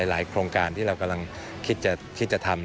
โครงการที่เรากำลังคิดจะทำ